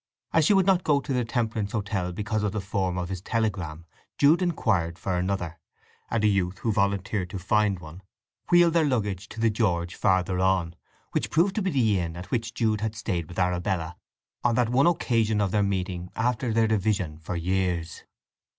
As she would not go to the Temperance Hotel because of the form of his telegram, Jude inquired for another; and a youth who volunteered to find one wheeled their luggage to the George farther on, which proved to be the inn at which Jude had stayed with Arabella on that one occasion of their meeting after their division for years.